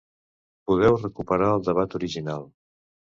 Podeu recuperar el debat original.